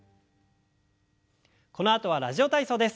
このあとは「ラジオ体操」です。